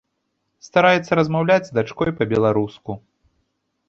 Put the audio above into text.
Стараецца размаўляць з дачкой па-беларуску.